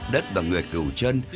đất và người cựu trân